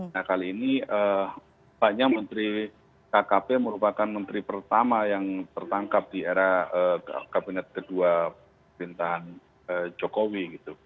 nah kali ini banyak menteri kkp merupakan menteri pertama yang tertangkap di era kabinet kedua pemerintahan jokowi gitu